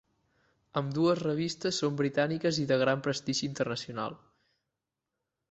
Ambdues revistes són britàniques i de gran prestigi internacional.